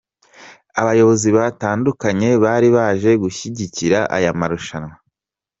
Abayobozi batandukanye bari baje gushyigikira aya marushanwa.